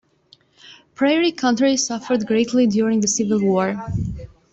Prairie County suffered greatly during the Civil War.